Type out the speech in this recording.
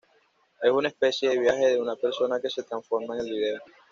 Es una especie de viaje de una persona que se transforma en el vídeo.